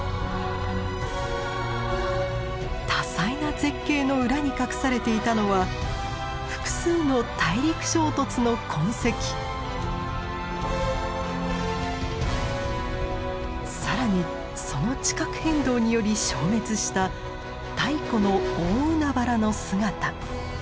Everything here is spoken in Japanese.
多彩な絶景の裏に隠されていたのは更にその地殻変動により消滅した太古の大海原の姿。